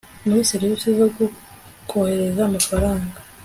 muri serivisi zo kohereza amafaranga